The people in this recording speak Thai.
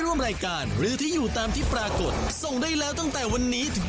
ผู้สาขนเกษทองจากจังหวัดปฐุมธานี